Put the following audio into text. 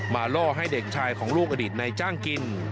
ล่อให้เด็กชายของลูกอดีตในจ้างกิน